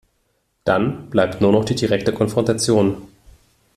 Dann bleibt nur noch die direkte Konfrontation.